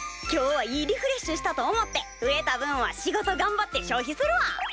今日はいいリフレッシュしたと思って増えた分は仕事がんばって消費するわ！